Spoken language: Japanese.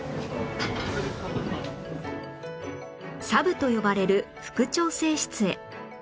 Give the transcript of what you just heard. サブと呼ばれる副調整室へ